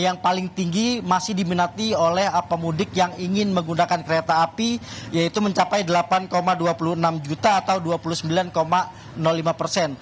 yang paling tinggi masih diminati oleh pemudik yang ingin menggunakan kereta api yaitu mencapai delapan dua puluh enam juta atau dua puluh sembilan lima persen